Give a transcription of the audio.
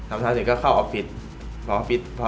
มาอยู่ที่สนามอีกละ